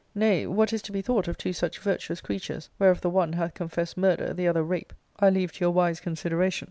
Nay, what is to be thought of two such virtuous creatures, whereof the one hath confessed murder, the other rape, I leave to your wise consideration.